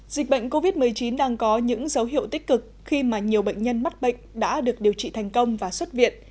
dịch bệnh covid một mươi chín đang có những dấu hiệu tích cực khi mà nhiều bệnh nhân mắc bệnh đã được điều trị thành công và xuất viện